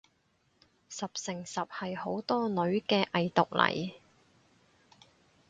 十成十係好多女嘅偽毒嚟